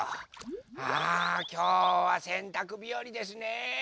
あきょうはせんたくびよりですね！